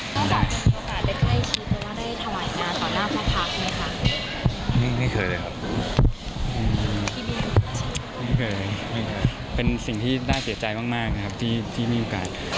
ไม่เคยเป็นสิ่งที่ได้เสียใจมากนะครับที่มีโอกาส